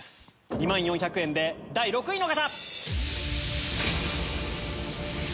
２万４００円で第６位の方！